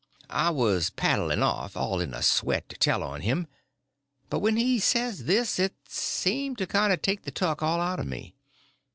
I was paddling off, all in a sweat to tell on him; but when he says this, it seemed to kind of take the tuck all out of me.